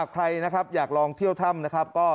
ใครอยากลองเที่ยวถ้ำนะครับ